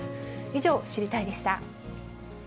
以上、知りたいッ！でした。